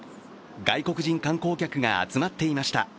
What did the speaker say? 外国人観光客が集まっていました。